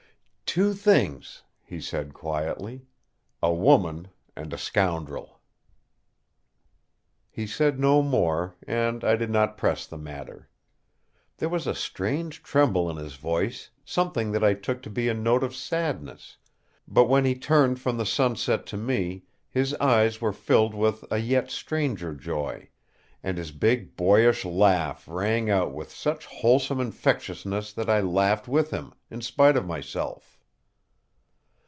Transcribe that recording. "Two things," he said quietly, "a woman and a scoundrel." He said no more, and I did not press the matter. There was a strange tremble in his voice, something that I took to be a note of sadness; but when he turned from the sunset to me his eyes were filled with a yet stranger joy, and his big boyish laugh rang out with such wholesome infectiousness that I laughed with him, in spite of myself.